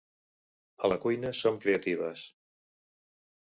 A la cuina som creatives.